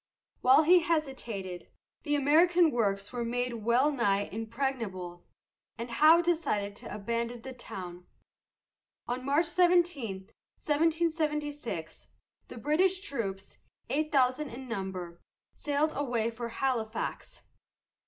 While he hesitated, the American works were made well nigh impregnable, and Howe decided to abandon the town. On March 17, 1776, the British troops, eight thousand in number, sailed away for Halifax.